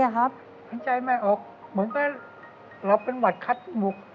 หายใจไม่ออกเหมือนกับเราเป็นหวัดคัดหมุก